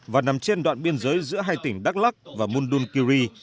và nằm trên đoạn biên giới giữa hai tỉnh đắk lắc và mundunkiri